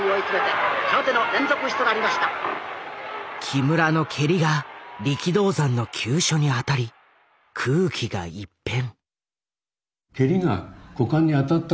木村の蹴りが力道山の急所に当たり空気が一変。